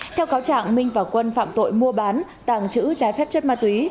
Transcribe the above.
theo cáo trạng minh và quân phạm tội mua bán tàng trữ trái phép chất ma túy